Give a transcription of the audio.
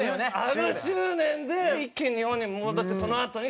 あの執念で一気に日本にだってそのあとに同点まで。